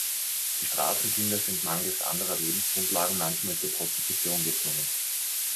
Die Straßenkinder sind mangels anderer Lebensgrundlagen manchmal zur Prostitution gezwungen.